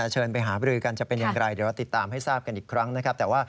เชิญไปหาบริกันจะเป็นอย่างไรเดี๋ยวเราติดตามให้ทราบกันอีกครั้งนะครับ